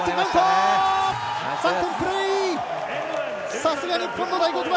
さすが日本の大黒柱！